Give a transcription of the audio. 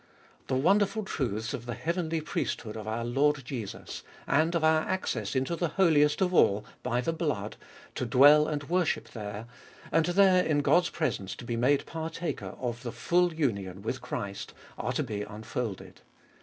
The wonderful 122 Cbe Dolfest of ail truths of the heavenly priesthood of our Lord Jesus, and of our access into the Holiest of All by the blood, to dwell and worship there, and there in God's presence to be made partaker of the full union with Christ, are to be unfolded.